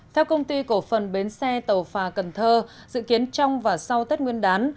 theo công ty cổ phần bến xe tàu phà cần thơ dự kiến trong và sau tết nguyên đán